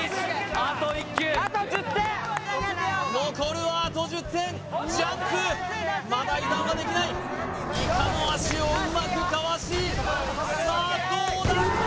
あと１球残るはあと１０点ジャンプまだ油断はできないイカの足をうまくかわしさあどうだきた！